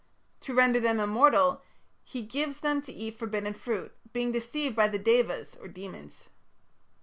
To render them immortal, he gives them to eat forbidden food, being deceived by the Daevas (demons).